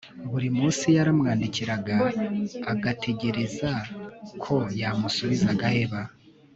buri munsi yaramwandikiragaagategereza ko yamusubiza agaheba